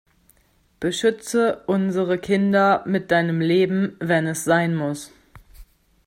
Beschütze unsere Kinder mit deinem Leben wenn es sein muss.